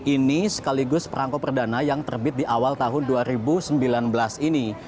ini sekaligus perangko perdana yang terbit di awal tahun dua ribu sembilan belas ini